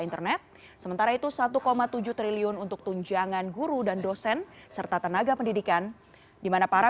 internet sementara itu satu tujuh triliun untuk tunjangan guru dan dosen serta tenaga pendidikan dimana para